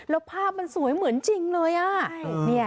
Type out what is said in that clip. แล้วภาพมันสวยเหมือนจริงเลยอ่ะ